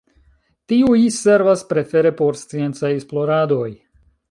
Tiuj servas prefere por sciencaj esploradoj.